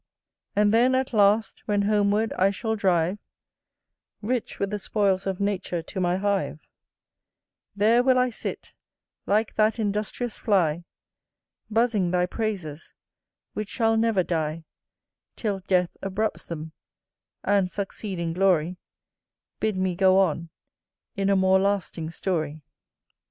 And then at last, when homeward I shall drive, Rich with the spoils of nature, to my hive, There will I sit, like that industrious fly, Buzzing thy praises; which shall never die Till death abrupts them, and succeeding glory Bid me go on in a more lasting story.